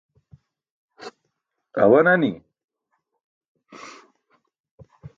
Awa nani.